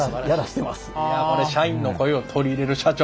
いやこれ社員の声を取り入れる社長